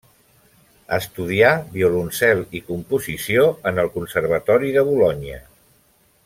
Estudià violoncel i composició en el Conservatori de Bolonya.